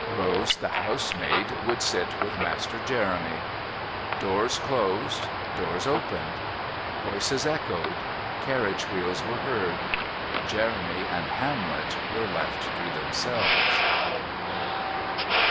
Rose, the housemaid, would sit with Master Jeremy. Doors closed, doors opened, voices echoed, carriage wheels were heard. Jeremy and Hamlet were left to themselves...